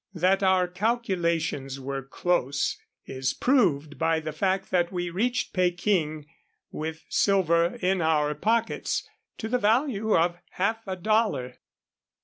That our calculations were close is proved by the fact that we reached Peking with silver in our pockets to the value of half a dollar.